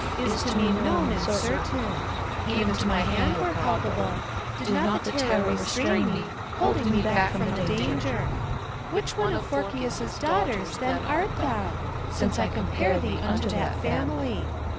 Is to me known and certain : Even to my hand were palpable, Did not the terror restrain me, Holding me back from the danger. Which one of Phorkys' Daughters then art thouT Since I compare thee Unto that family.